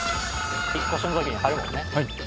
引っ越しのときに張るもんね。